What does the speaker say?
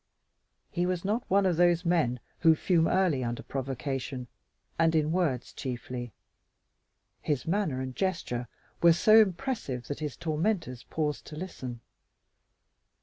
He was not one of those men who fume early under provocation and in words chiefly. His manner and gesture were so impressive that his tormentors paused to listen.